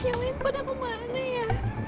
yang lain pada memahami ya